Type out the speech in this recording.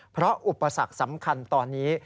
เพราะอุปสรรคสำคัญตอนนี้